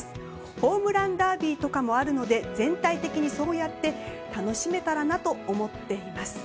ホームランダービーとかもあるので全体的にそうやって楽しめたらなと思っています。